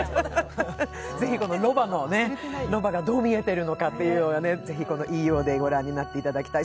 ぜひこのロバがどう見えているのかというのはこの「ＥＯイーオー」でご覧になっていただきたい。